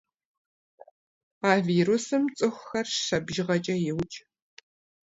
А вирусым цӏыхухэр щэ бжыгъэкӏэ еукӏ.